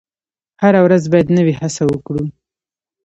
هره ورځ باید نوې هڅه وکړو.